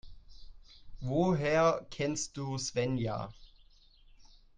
Woher kennst du Svenja?